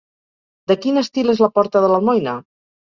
De quin estil és la porta de l'Almoina?